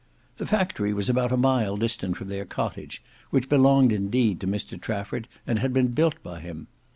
The factory was about a mile distant from their cottage, which belonged indeed to Mr Trafford, and had been built by him.